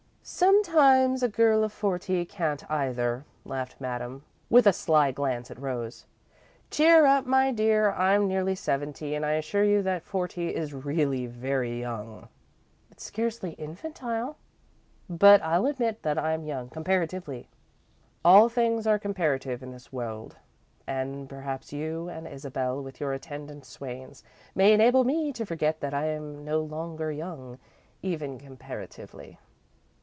"Sometimes a girl of forty can't, either," laughed Madame, with a sly glance at Rose. "Cheer up, my dear I'm nearing seventy, and I assure you that forty is really very young." "It's scarcely infantile, but I'll admit that I'm young comparatively." "All things are comparative in this world, and perhaps you and Isabel, with your attendant swains, may enable me to forget that I'm no longer young, even comparatively."